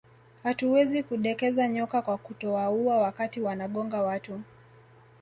Hatuwezi kudekeza nyoka kwa kutowaua wakati wanagonga watu